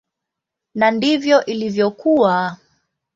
Na ndivyo ilivyokuwa.